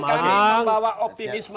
dan kami membawa optimisme